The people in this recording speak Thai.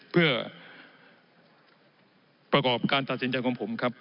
เพื่อประกอบการตัดสินใจของผมครับ